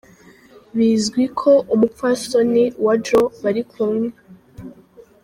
Bizwi ko umupfasoni wa Jo bari kumwe.